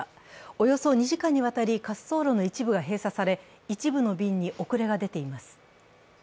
およそ２時間にわたり滑走路の一部が閉鎖され、一部の便に遅れが出ています。